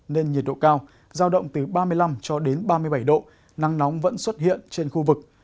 nên nhiệt độ cao rao động từ ba mươi năm ba mươi bảy độ nắng nóng vẫn xuất hiện trên khu vực